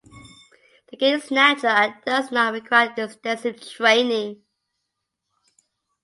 The gait is natural and does not require extensive training.